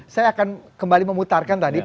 saya akan kembali memutarkan tadi